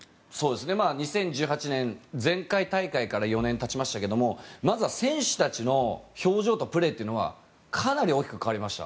２０１８年前回大会から４年たちましたがまずは選手たちの表情とプレーというのはかなり大きく変わりました。